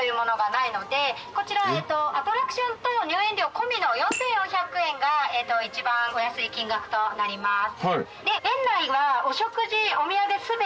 こちらアトラクションと入園料込みの４，４００円が一番お安い金額となります。